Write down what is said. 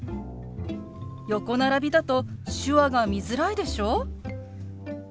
横並びだと手話が見づらいでしょ？